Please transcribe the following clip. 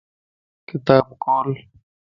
ڪتاب کول